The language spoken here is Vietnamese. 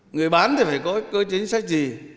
người bán thì phải có cơ chính sách gì